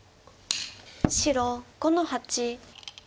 白５の八。